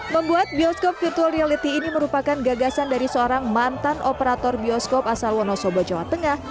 membuat bioskop virtual reality ini merupakan gagasan dari seorang mantan operator bioskop asal wonosobo jawa tengah